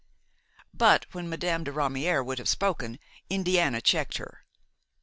But when Madame de Ramière would have spoken, Indiana checked her.